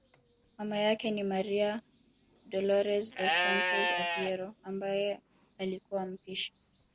Mama yake ni Maria Dolores dos Santos Aveiro ambaye alikuwa mpishi